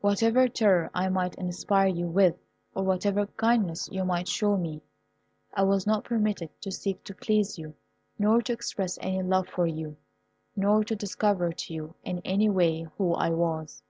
Whatever terror I might inspire you with, or whatever kindness you might show me, I was not permitted to seek to please you, nor to express any love for you, nor to discover to you in any way who I was.